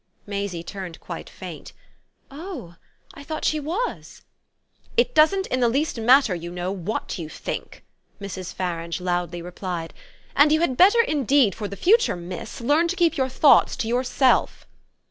Maisie turned quite faint. "Oh I thought she was." "It doesn't in the least matter, you know, what you think," Mrs. Farange loudly replied; "and you had better indeed for the future, miss, learn to keep your thoughts to yourself."